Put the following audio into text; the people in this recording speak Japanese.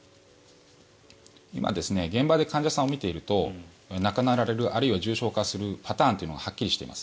今、現場で患者さんを診ていると亡くなられる、あるいは重症化するパターンというのがはっきりしています。